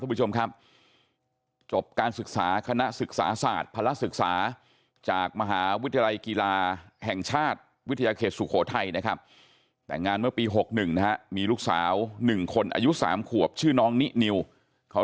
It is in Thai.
ภูมิใจลูกคนนี้มากค่ะ